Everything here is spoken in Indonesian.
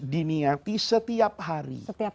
diniati setiap hari setiap